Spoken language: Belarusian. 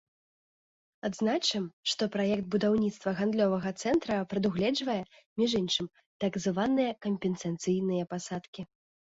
Адзначым, што праект будаўніцтва гандлёвага цэнтра прадугледжвае, між іншым, так званыя кампенсацыйныя пасадкі.